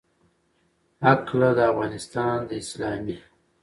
هکله، د افغانستان د اسلامي